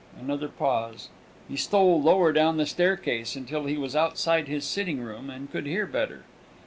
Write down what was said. Another pause. He stole lower down the staircase, until he was outside his sitting room, and could hear better.